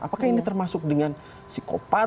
apakah ini termasuk dengan psikopat